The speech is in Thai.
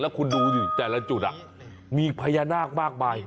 แล้วคุณดูแต่ละจุดมีพญานาคมากมาย